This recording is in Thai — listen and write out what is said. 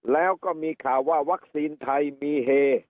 แล้วก็มีข่าวว่าวัคซีนไทยมีเฮ